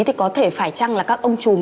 thì có thể phải chăng là các ông chùm